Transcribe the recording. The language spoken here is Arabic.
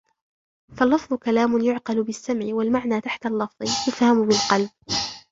فَاللَّفْظُ كَلَامٌ يُعْقَلُ بِالسَّمْعِ وَالْمَعْنَى تَحْتَ اللَّفْظِ يُفْهَمُ بِالْقَلْبِ